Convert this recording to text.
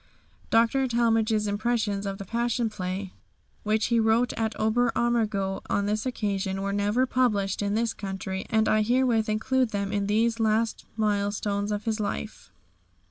Dr. Talmage's impressions of the Passion Play, which he wrote at Ober Ammergau on this occasion, were never published in this country, and I herewith include them in these last milestones of his life.